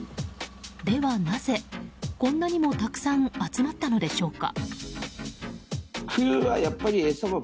ではなぜ、こんなにもたくさん集まったのでしょうか。